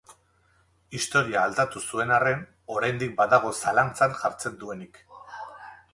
Historia aldatu zuen arren, oraindik badago zalantzan jartzen duenik.